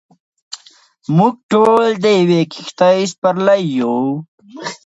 موږ ټول د یوې کښتۍ سپرلۍ یو.